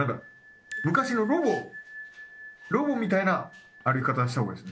昔のロボみたいな歩き方したほうがいいです。